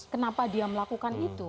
kenapa dia melakukan itu